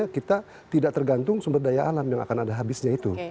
kita tidak tergantung sumber daya alam yang akan ada habisnya itu